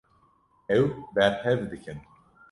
Ew berhev dikin.